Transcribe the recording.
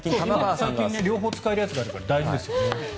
両方使えるやつがあるから大事ですよね。